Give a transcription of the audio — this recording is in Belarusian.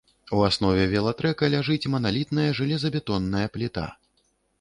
У аснове велатрэка ляжыць маналітная жалезабетонная пліта.